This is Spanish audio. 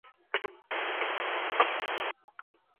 Habita en Ecuador, Guayana Francesa, Perú Colombia y Brasil.